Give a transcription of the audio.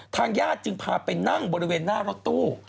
ทางญาติจึงพาไปนั่งบริเวณหน้ารถตู้